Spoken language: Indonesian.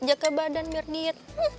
jaga badan biar diet